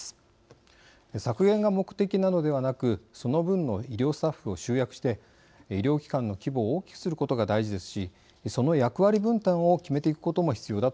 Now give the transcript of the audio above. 削減が目的なのではなくその分の医療スタッフを集約して医療機関の規模を大きくすることが大事ですしその役割分担を決めていくことも必要だと思います。